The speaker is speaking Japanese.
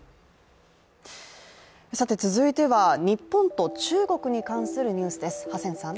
続いては日本と中国に関するニュースです。